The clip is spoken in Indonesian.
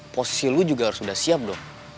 posisi lo juga harus udah siap dong